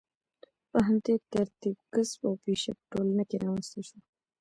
په همدې ترتیب کسب او پیشه په ټولنه کې رامنځته شوه.